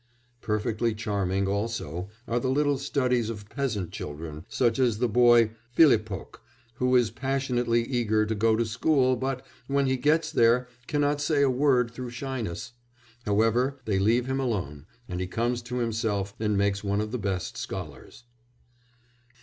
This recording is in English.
Perfectly charming also are the little studies of peasant children, such as the boy "Filipok," who is passionately eager to go to school but, when he gets there, cannot say a word through shyness; however they leave him alone, and he comes to himself and makes one of the best scholars.